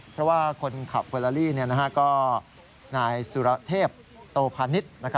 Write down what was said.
เพราะว่าคนขับเวอลาลี่ก็นายสุรเทพโตพาณิชย์